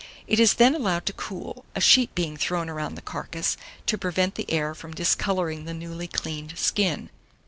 It is then allowed to cool, a sheet being thrown around the carcase, to prevent the air from discolouring the newly cleaned skin.